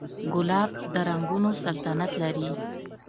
ګلاب د رنګونو سلطنت لري.